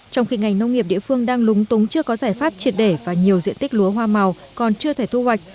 trong khi ngành nông nghiệp địa phương đang lúng túng chưa có giải pháp triệt để và nhiều diện tích lúa hoa màu còn chưa thể thu hoạch